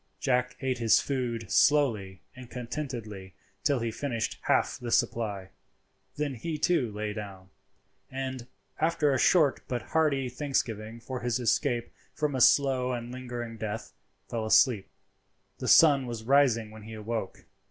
Jack ate his food slowly and contentedly till he finished half the supply, then he too lay down, and, after a short but hearty thanksgiving for his escape from a slow and lingering death, fell asleep. The sun was rising when he awoke.